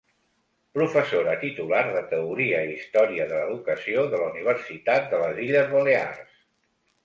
Professora titular de Teoria i Història de l'Educació de la Universitat de les Illes Balears.